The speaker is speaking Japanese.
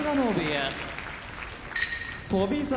翔猿